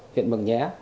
huyện mường nhé